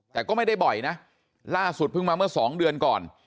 แต่ก็ไม่ได้บ่อยนะล่าสุดเพิ่งมาเมื่อสองเดือนก่อน